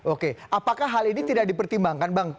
oke apakah hal ini tidak dipertimbangkan bang